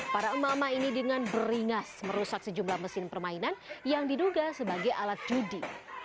para emak emak ini dengan beringas merusak sejumlah mesin permainan yang diduga sebagai alat judi